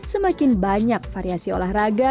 semakin banyak variasi olahraga